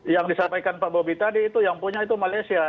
yang disampaikan pak bobi tadi itu yang punya itu malaysia